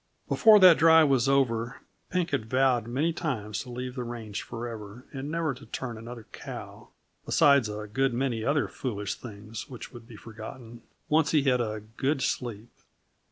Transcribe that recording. Before that drive was over, Pink had vowed many times to leave the range forever and never to turn another cow besides a good many other foolish things which would be forgotten, once he had a good sleep.